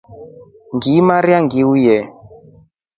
Ngilimarya ngiukye.